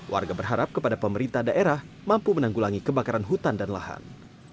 warga berharap kepada pemerintah daerah mampu menanggulangi kebakaran hutan dan lahan